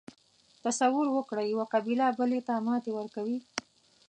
تصور وکړئ یوه قبیله بلې ته ماتې ورکوي.